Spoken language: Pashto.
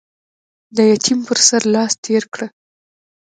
د يتيم پر سر لاس تېر کړه.